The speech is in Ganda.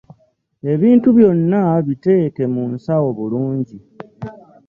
Ebintu byonna biteeke mu nsawo bulungi.